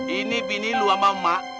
ini bini lu sama mak